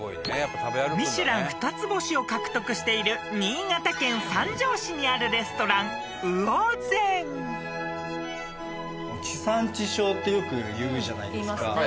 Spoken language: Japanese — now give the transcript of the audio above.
［『ミシュラン』２つ星を獲得している新潟県三条市にあるレストランＵＯＺＥＮ］ってよく言うじゃないですか。